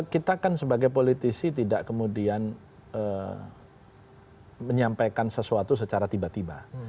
kita kan sebagai politisi tidak kemudian menyampaikan sesuatu secara tiba tiba